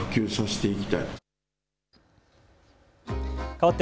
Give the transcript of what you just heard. かわって＃